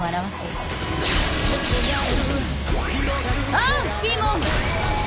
アンフィモン！